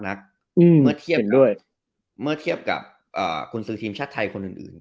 เหมือนกับกุญซืทีมชาติไทยคนอื่น